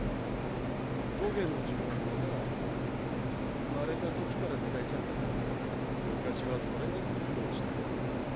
ミンミンミンミン棘の呪言はな生まれたときから使えちゃったから昔はそれなりに苦労したみたいだ。